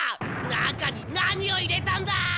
中に何を入れたんだ！？